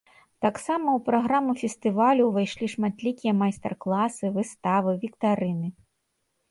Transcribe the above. Таксама ў праграму фестывалю ўвайшлі шматлікія майстар-класы, выставы, віктарыны.